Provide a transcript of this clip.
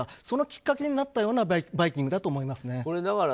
そのきっかけになったような「バイキング」だと思いますね。